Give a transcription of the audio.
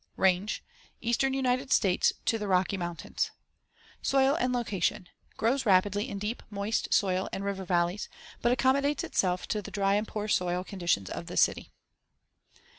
Range: Eastern United States to the Rocky Mountains. Soil and location: Grows rapidly in deep, moist soil and river valleys, but accommodates itself to the dry and poor soil conditions of the city.